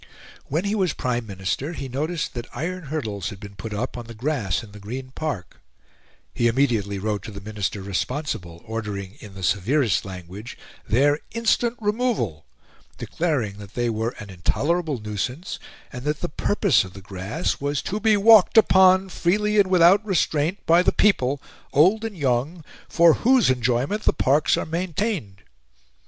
When he was Prime Minister, he noticed that iron hurdles had been put up on the grass in the Green Park; he immediately wrote to the Minister responsible, ordering, in the severest language, their instant removal, declaring that they were "an intolerable nuisance," and that the purpose of the grass was "to be walked upon freely and without restraint by the people, old and young, for whose enjoyment the parks are maintained."